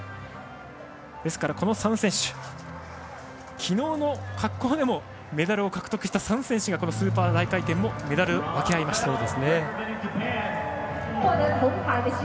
ですから、この３選手昨日の滑降でもメダルを獲得した３選手がスーパー大回転でもメダルを分け合いました。